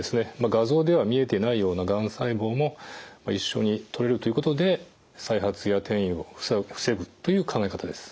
画像では見えてないようながん細胞も一緒に取れるということで再発や転移を防ぐという考え方です。